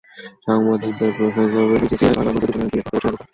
সাংবাদিকদের প্রশ্নের জবাবে বিসিসিআই বারবার বলেছে, দুজনের বিয়েটা কেবল সময়ের ব্যাপার।